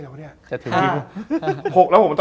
ดูดูนะนะ